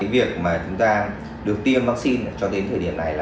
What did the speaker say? việc mà chúng ta được tiêm vaccine cho đến thời điểm này